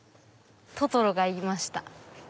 トトロがいました。